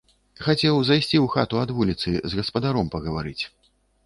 Хацеў зайсці ў хату ад вуліцы з гаспадаром пагаварыць.